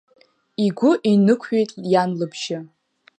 Игәы инықәҩит иан лыбжьы.